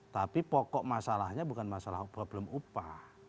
tapi pokok masalahnya bukan masalah problem upah